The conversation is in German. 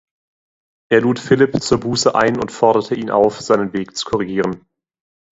Er lud Philipp zur Buße ein und forderte ihn auf, seinen Weg zu korrigieren.